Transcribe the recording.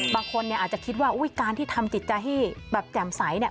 บางคนเนี่ยอาจจะคิดว่าอุ้ยการที่ทำจิตใจให้แบบแจ่มใสเนี่ย